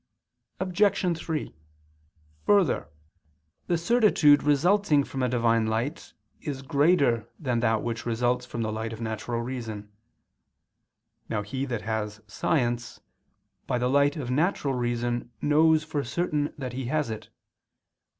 Obj. 3: Further, the certitude resulting from a Divine light is greater than that which results from the light of natural reason. Now he that has science, by the light of natural reason knows for certain that he has it.